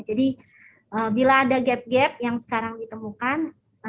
jadi bila ada gap gap yang sekarang ditemukan